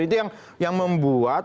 itu yang membuat